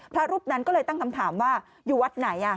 พระรูปนั้นก็เลยตั้งคำถามว่าอยู่วัดไหน